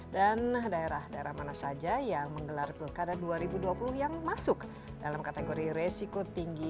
dan daerah daerah mana saja yang menggelar pilkada dua ribu dua puluh yang masuk dalam kategori resiko tinggi